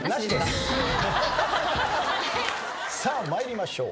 さあ参りましょう。